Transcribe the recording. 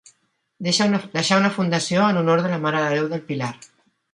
Deixà una fundació en honor de la Mare de Déu del Pilar.